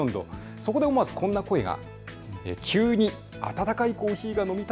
そこで思わずこんな声が。